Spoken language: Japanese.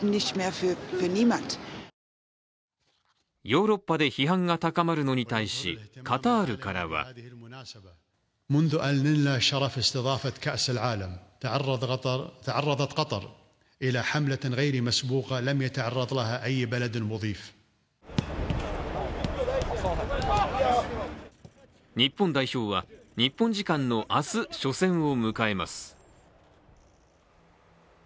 ヨーロッパで批判が高まるのに対し、カタールからは日本代表は日本時間の明日、初戦を迎えます。